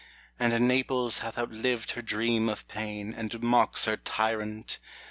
And Naples hath outlived her dream of pain, And mocks her tyrant !